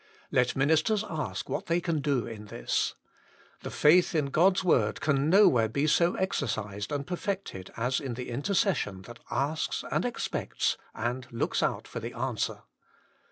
Let ministers ask what they can do in this. The faith in God s word can nowhere be so exercised and perfected as in the intercession 8 INTRODUCTION that asks and expects and looks out for the answer.